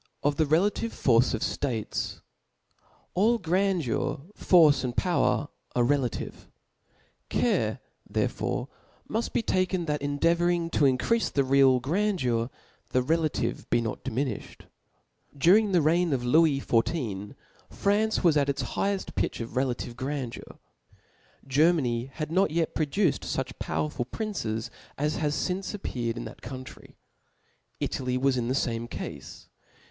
Of the relative Force of States. BOOK ALL grandeur, force, and power arc relative^ Chap. 9, "^^ Care therefore nnift be taken that in cndca ' and 10. vouring to encreafc the real grandeur^ the relative be not diminifhed. Under the reign of Lewis XIV. France was at its higheft pitch of relative grandeur. Germany had not yet produced fuch powerful princes as have lince appeared in that country. Italy was in the fame cafe.